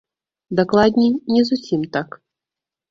Дакладней, не зусім так.